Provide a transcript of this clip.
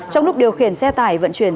trong lúc điều khiển xe tải vận chuyển